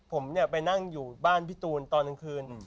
ผมเนี่ยไปนั่งอยู่บ้านพี่ตูนตอนกลางคืน